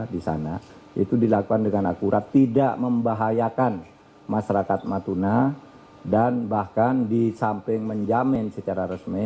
di sana itu dilakukan dengan akurat tidak membahayakan masyarakat natuna dan bahkan di samping menjamin secara resmi